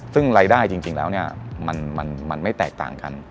ซึ่งรายได้จริงแล้วมันไม่แตกต่างกัน